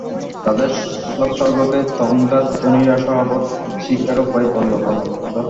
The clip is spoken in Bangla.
তাদের সংসর্গকে তখনকার ধনীরা সহবত শিক্ষার উপায় বলে গণ্য করত।